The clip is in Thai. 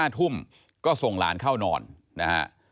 ๕ทุ่มก็ส่งหลานเข้านอนนะฮะ